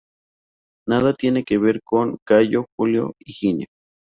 Nada tiene que ver con Cayo Julio Higino.